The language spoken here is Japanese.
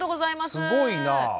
すごいな。